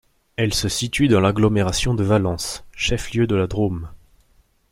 Elle se situe dans l'agglomération de Valence, chef-lieu de la Drôme.